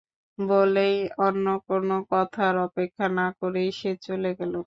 বলেই অন্য কোনো কথার অপেক্ষা না করেই সে চলে গেল।